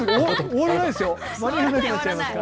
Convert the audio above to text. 終わらないですよ。